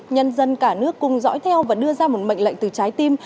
nhân dân cả nước cùng dõi theo và đưa ra một mệnh lệnh từ trái tim